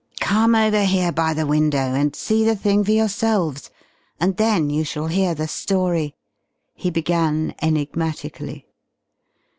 "Come over here by the window and see the thing for yourselves, and then you shall hear the story," he began enigmatically.